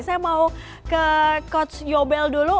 saya mau ke coach yobel dulu